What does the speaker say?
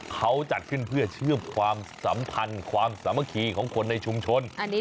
เขาจัดขึ้นเพื่อเชื่อมความสัมพันธ์ความสามัคคีของคนในชุมชน